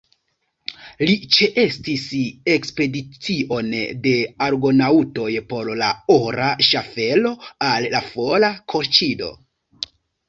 Li ĉeestis ekspedicion de Argonaŭtoj por la ora ŝaffelo al la fora Kolĉido.